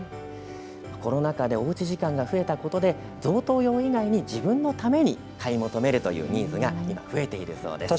コロナ禍でおうち時間が増えたことで贈答用以外に自分のために買い求めるというニーズが今、増えているそうです。